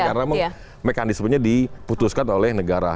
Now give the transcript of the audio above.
karena mekanismenya diputuskan oleh negara